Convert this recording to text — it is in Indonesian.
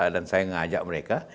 dan saya mengajak mereka